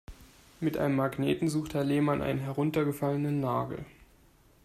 Mit einem Magneten sucht Herr Lehmann einen heruntergefallenen Nagel.